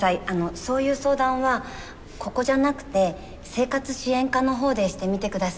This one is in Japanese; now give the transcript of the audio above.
そういう相談はここじゃなくて生活支援課のほうでしてみて下さい。